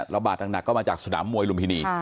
ระบาดต่างก็มาจากสถานบาปมวยลุมพินี